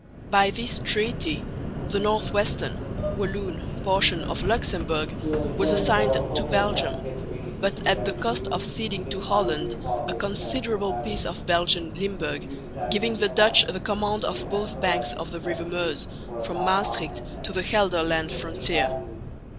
By this treaty the northwestern (Walloon) portion of Luxemburg was assigned to Belgium, but at the cost of ceding to Holland a considerable piece of Belgian Limburg giving the Dutch the command of both banks of the river Meuse from Maestricht to the Gelderland frontier.